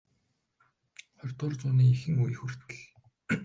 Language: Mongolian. Чи ч хэцүүхэн хүний орлогч хийдэг байх нь ээ?